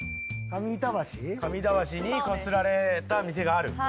上板橋にこすられた店がある。